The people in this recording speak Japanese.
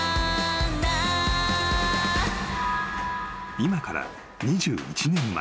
［今から２１年前］